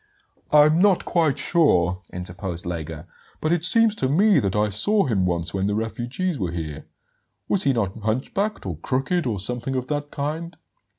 "I'm not quite sure," interposed Lega; "but it seems to me that I saw him once when the refugees were here. Was he not hunchbacked, or crooked, or something of that kind?"